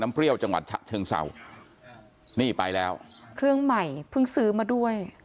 เปรี้ยวจังหวัดฉะเชิงเศร้านี่ไปแล้วเครื่องใหม่เพิ่งซื้อมาด้วย